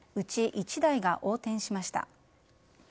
１台が横転しました。